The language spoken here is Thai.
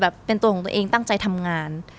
เป็นตัวของตัวเองตั้งใจทำงาน